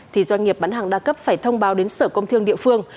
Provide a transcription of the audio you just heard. thì doanh nghiệp bán hàng đa cấp phải thông báo đến sở công thương địa phương